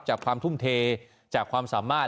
ความทุ่มเทจากความสามารถ